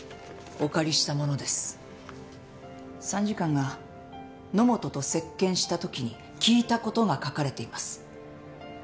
参事官が野本と接見した時に聞いた事が書かれています。